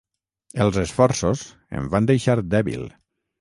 Els esforços em van deixar dèbil.